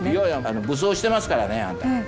いや武装してますからねあなた。